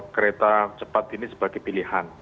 kereta cepat ini sebagai pilihan